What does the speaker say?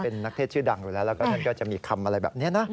เป็นนักเทศชื่อดังอยู่แล้วแล้วก็ท่านก็จะมีคำอะไรแบบนี้นะ